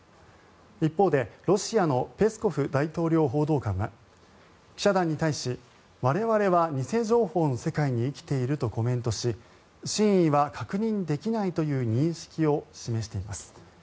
一方でロシアのペスコフ大統領報道官は記者団に対し、我々は偽情報の世界に生きているとコメントし真意は確認できないという認識を示しています。